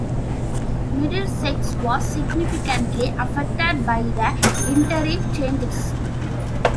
Middlesex was significantly affected by the interim changes.